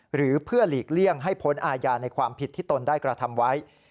หรือเพื่อหลีกเลี่ยงให้พ้นอาญาในความผิดที่ตนได้กระทำไว้